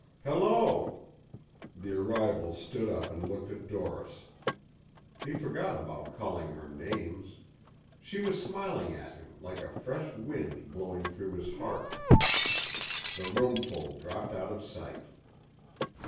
"Hello!" The arrival stood up and looked at Doris. He forgot about calling her names. She was smiling at him like a fresh wind blowing through his heart. The roomful dropped out of sight.